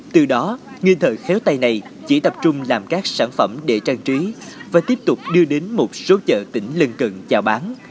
từ đó nghiên thợ khéo tay này chỉ tập trung làm các sản phẩm để trang trí và tiếp tục đưa đến một số chợ tỉnh lân cận chào bán